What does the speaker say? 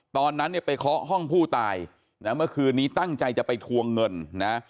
ตอนนั้นเนี่ยไปเคาะห้องผู้ตายนะเมื่อคืนนี้ตั้งใจจะไปทวงเงินนะ